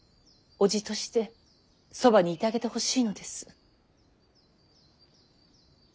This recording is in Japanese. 叔父としてそばにいてあげてほしいのです。